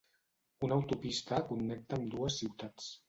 Una autopista connecta ambdues ciutats.